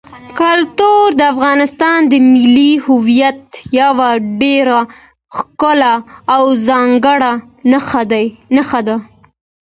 کلتور د افغانستان د ملي هویت یوه ډېره ښکاره او څرګنده نښه ده.